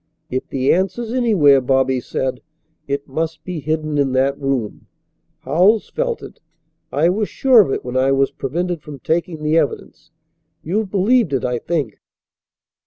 "If the answer's anywhere," Bobby said, "it must be hidden in that room. Howells felt it. I was sure of it when I was prevented from taking the evidence. You've believed it, I think."